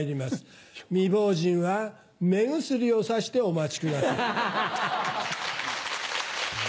未亡人は目薬をさしてお待ち下さい。